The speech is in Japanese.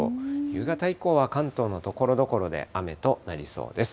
夕方以降は関東のところどころで雨となりそうです。